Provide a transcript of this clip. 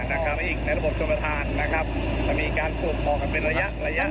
และอีกในระบบชมภาษณ์นะครับ